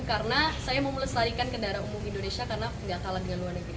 karena saya mau melesatikan kendaraan umum indonesia karena nggak kalah dengan luar negeri